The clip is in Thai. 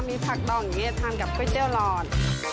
มีผักดองอย่างนี้ทานกับก๋วยเตี๋ยวหลอด